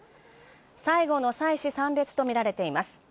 最後の祭祀参列とみられています。